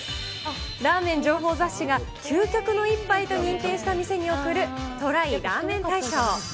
ラーメン情報雑誌が究極の一杯と認定した店に贈る、ＴＲＹラーメン大賞。